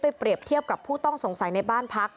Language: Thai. เปรียบเทียบกับผู้ต้องสงสัยในบ้านพัก